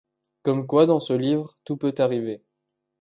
Comme quoi, dans ce livre, tout peut arriver.